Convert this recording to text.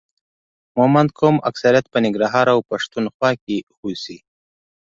مومند قوم اکثریت په ننګرهار او پښتون خوا کې اوسي